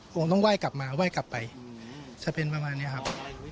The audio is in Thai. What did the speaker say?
คงต้องไหว้กลับมาไหว้กลับไปจะเป็นประมาณนี้ครับ